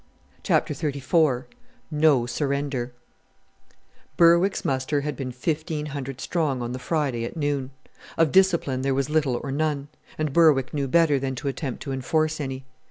CHAPTER XXXIV NO SURRENDER Berwick's muster had been fifteen hundred strong on the Friday at noon. Of discipline there was little or none, and Berwick knew better than to attempt to enforce any.